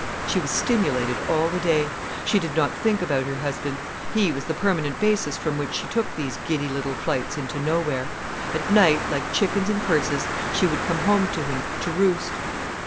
She was stimulated all the day. She did not think about her husband. He was the permanent basis from which she took these giddy little flights into nowhere. At night, like chickens and curses, she would come home to him, to roost.